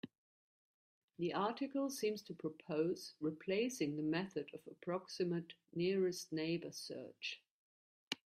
The article seems to propose replacing the method of approximate nearest neighbor search.